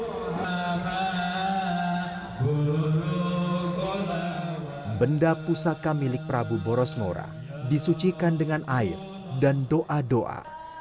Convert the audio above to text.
benda pusaka milik prabu boros ngora disucikan dengan air dan doa doa